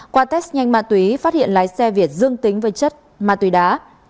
qua test nhanh ma túy phát hiện lái xe việt dương tính với chất ma túy đá